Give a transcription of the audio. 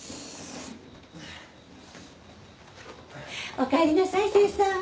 おかえりなさい清さん。